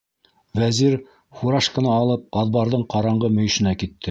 Вәзир, фуражканы алып, аҙбарҙың ҡараңғы мөйөшөнә китте.